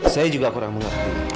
saya juga kurang mengerti